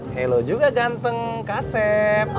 halo juga ganteng kasep